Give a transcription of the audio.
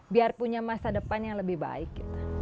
biar punya masa depan yang lebih baik